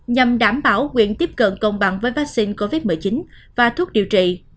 nhằm đảm bảo quyền tiếp cận công bằng với vaccine covid một mươi chín và thuốc điều trị